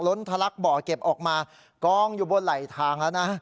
ทะลักบ่อเก็บออกมากองอยู่บนไหลทางแล้วนะ